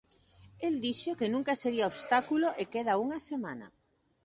El dixo que nunca sería obstáculo e queda unha semana.